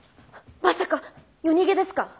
まさか夜逃げですか？